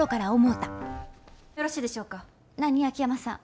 秋山さん。